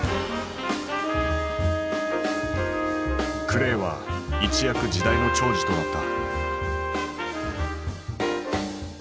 クレイは一躍時代の寵児となった。